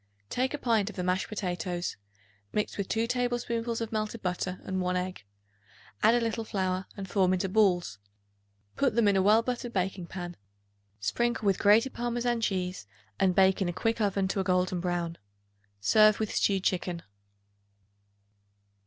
Take a pint of the mashed potatoes; mix with 2 tablespoonfuls of melted butter and 1 egg; add a little flour, and form into balls. Put them into a well buttered baking pan; sprinkle with grated Parmesan cheese and bake in a quick oven to a golden brown. Serve with stewed chicken.